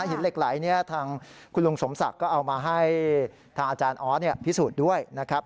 หินเหล็กไหลทางคุณลุงสมศักดิ์ก็เอามาให้ทางอาจารย์ออสพิสูจน์ด้วยนะครับ